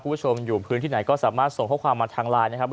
คุณผู้ชมอยู่พื้นที่ไหนก็สามารถส่งข้อความมาทางไลน์นะครับ